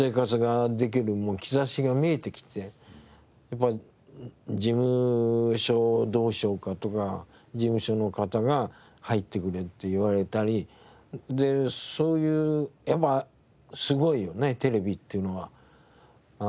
やっぱ事務所どうしようかとか事務所の方が入ってくれって言われたりそういうやっぱすごいよねテレビっていうのは。